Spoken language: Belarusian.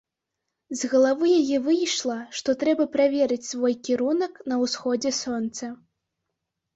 З галавы яе выйшла, што трэба праверыць свой кірунак на ўсходзе сонца.